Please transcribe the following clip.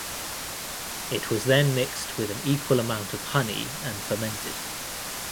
It was then mixed with an equal amount of honey and fermented.